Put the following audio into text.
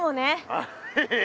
ああヘヘヘ！